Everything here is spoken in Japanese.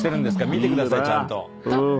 見てくださいちゃんと。